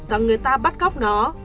rằng người ta bắt góc nó